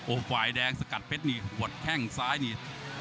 เอ้าไฟแดงสกัดเพชรนี่บนแค่งซ้ายนี่